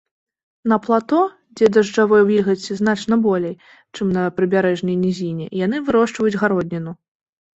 На плато, дзе дажджавой вільгаці значна болей, чым на прыбярэжнай нізіне, яны вырошчваюць гародніну.